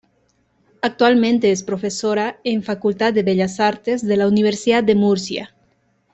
Actualmente es profesora en Facultad de Bellas Artes de la Universidad de Murcia.